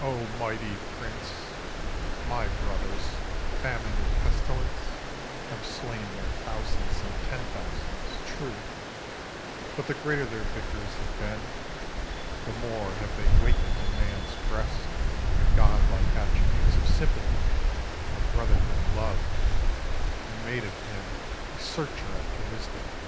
"O, mighty Prince, my brothers, Famine and Pestilence, Have slain their thousands and ten thousands, true; But the greater their victories have been, The more have they wakened in Man's breast The God like attributes of sympathy, of brotherhood and love And made of him a searcher after wisdom.